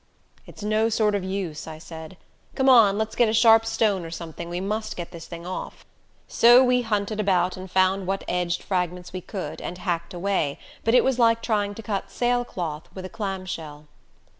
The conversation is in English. "It's no sort of use," I said. "Come on let's get a sharp stone or something we must get this thing off." So we hunted about and found what edged fragments we could, and hacked away, but it was like trying to cut sailcloth with a clamshell.